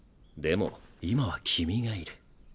でも今は君がいる。